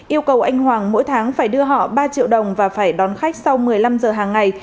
yêu cầu anh hoàng mỗi tháng phải đưa họ ba triệu đồng và phải đón khách sau một mươi năm giờ hàng ngày